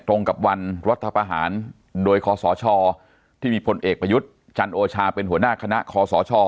ตรงกับวันรัฐประหารโดยคอสชที่มีพลเอกประยุทธ์จันโอชาเป็นหัวหน้าคณะคอสช